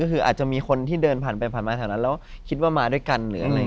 คืออาจจะมีคนที่เดินผ่านไปผ่านมาต่างแล้วคิดว่ามาด้วยกัน